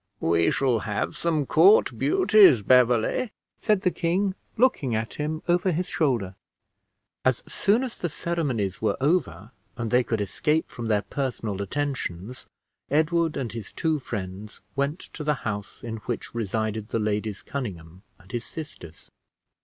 "We shall have some court beauties, Beverley," said the king, looking at him over his shoulder. As soon as the ceremonies were over, and they could escape from their personal attentions, Edward and his two friends went to the house in which resided the Ladies Conynghame and his sisters.